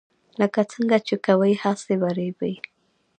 لکه څنګه چې کوې هغسې به ریبې.